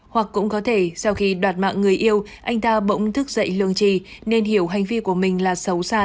hoặc cũng có thể sau khi đoạt mạng người yêu anh ta bỗng thức dậy lương trì nên hiểu hành vi của mình là xấu xa